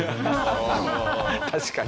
確かに。